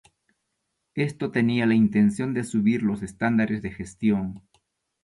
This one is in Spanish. Esto tenía la intención de subir los estándares de gestión.